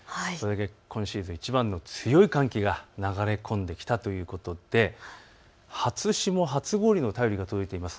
今シーズンいちばんの強い寒気が流れ込んできたということで初霜、初氷の便りが届いています。